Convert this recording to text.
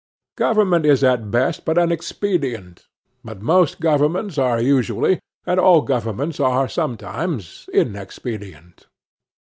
Government is at best but an expedient; but most governments are usually, and all governments are sometimes, inexpedient.